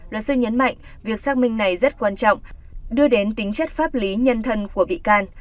luật sư nhấn mạnh việc xác minh này rất quan trọng đưa đến tính chất pháp lý nhân thân của bị can